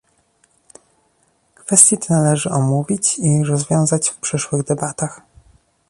Kwestie te należy omówić i rozwiązać w przyszłych debatach